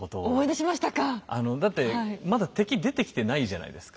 あのだってまだ敵出てきてないじゃないですか。